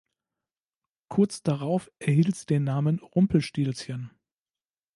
Kurz darauf erhielt sie den Namen „Rumpelstilzchen“.